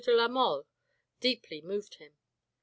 de la Mole deeply moved him.